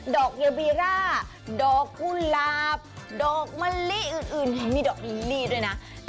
ดอกยาวบีร่าดอกกุหลาบดอกมะลิอื่นมีดอกนี้ด้วยนะ